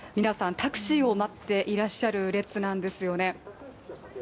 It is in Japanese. タクシーを待っていらっしゃる列なんですよね。